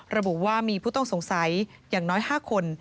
ระบุว่ามีผู้ต้องสงสัยอย่างน้อย๕คน